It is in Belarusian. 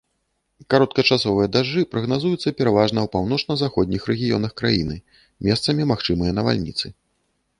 Кароткачасовыя дажджы прагназуюцца пераважна ў паўночна-заходніх рэгіёнах краіны, месцамі магчымыя навальніцы.